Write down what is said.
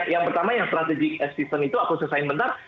yang pertama yang strategi system itu aku selesaikan bentar